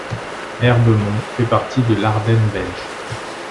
Herbeumont fait partie de l' Ardenne belge.